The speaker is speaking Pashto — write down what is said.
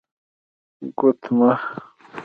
💍 ګوتمه